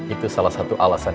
itu salah satu alasan